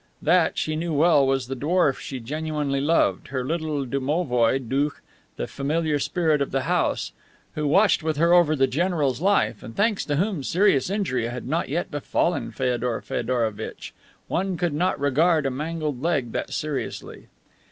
That, she knew well, was the dwarf she genuinely loved, her little domovoi doukh, the familiar spirit of the house, who watched with her over the general's life and thanks to whom serious injury had not yet befallen Feodor Feodorovitch one could not regard a mangled leg that seriously.